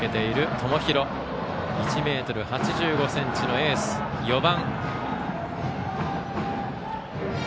友廣は１ｍ８５ｃｍのエース、４番。